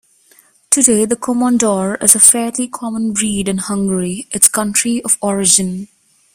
Today the Komondor is a fairly common breed in Hungary, its country of origin.